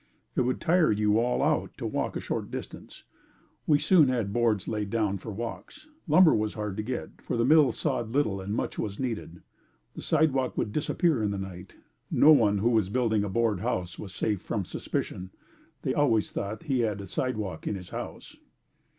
It would tire you all out to walk a short distance. We soon had boards laid down for walks. Lumber was hard to get, for the mills sawed little and much was needed. The sidewalk would disappear in the night. No one who was building a board house was safe from suspicion. They always thought he had the sidewalk in his house.